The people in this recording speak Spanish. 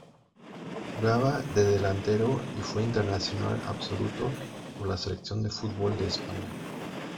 Jugaba de delantero y fue internacional absoluto por la Selección de fútbol de España.